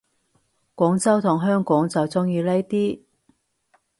廣州同香港就鍾意呢啲